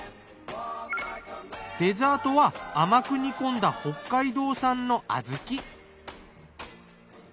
デザートは甘く煮込んだ北海道産の小豆。